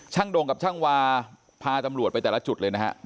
ดงกับช่างวาพาตำรวจไปแต่ละจุดเลยนะครับ